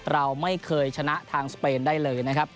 เราไม่เคยชนะทางสเปนได้เลยนะครับ